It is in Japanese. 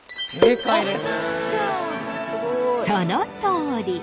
そのとおり！